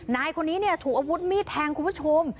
นายคนนี้เนี่ยถูกอาวุธมีดแทงคุณผู้ชม